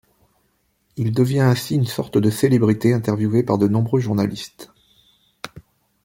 Il devient ainsi une sorte de célébrité, interviewé par de nombreux journalistes.